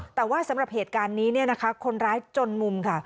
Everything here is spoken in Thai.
แต่ว่าสำหรับเหตุการณ์นี้คนร้ายจนมุมค่ะ